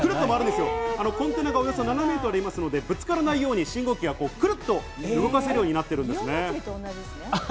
コンテナがおよそ７メートルあるので、ぶつからないように信号機がクルっと動かせるようになってるんですね。